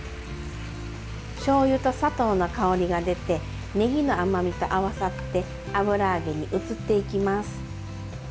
しょうゆと砂糖の香りが出てねぎの甘みと合わさって油揚げに移っていきます。